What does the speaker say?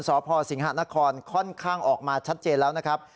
สพสิงหานครค่อนข้างออกมาชัดเจนแล้วนะครับ